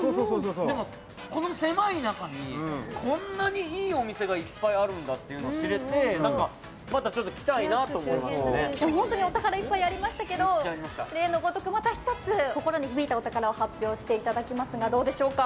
でも、この狭い中にこんなにいいお店がいっぱいあるんだっていうのを知れて、また来たいなと本当にお宝いっぱいありましたけど例のごとく、また１つ心に響いたお宝を発表していただきますがどうでしょうか。